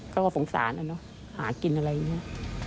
เขาก็สงสารนะเนอะหากินอะไรอย่างนี้